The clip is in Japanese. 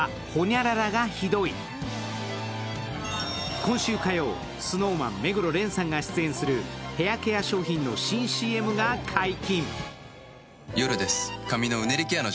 今週火曜、ＳｎｏｗＭａｎ、目黒蓮さんが出演するヘアケア商品の新ＣＭが解禁。